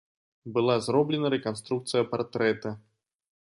Была зроблена рэканструкцыя партрэта.